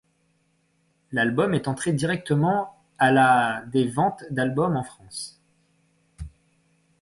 L'album est entré directement à la des ventes d'albums en France.